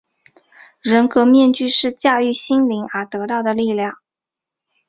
人格面具是驾驭心灵而得到的力量。